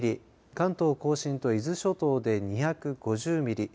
関東甲信と伊豆諸島で２５０ミリ